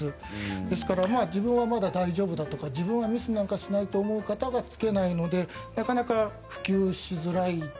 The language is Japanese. ですから自分はまだ大丈夫だとか自分はミスなんかしないと思う方がつけないのでなかなか普及しづらい。